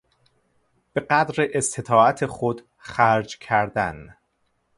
به قدر استطاعت خود خرج کردن